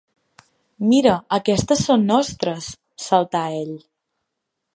Mira, aquestes són nostres! —saltà ell.